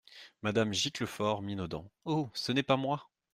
Madame Giclefort, minaudant. — Oh ! ce n’est pas moi !